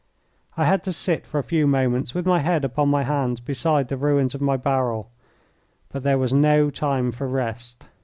I had to sit for a few moments with my head upon my hands beside the ruins of my barrel. But there was no time for rest.